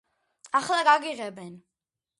- ახლა გაგიღებენ!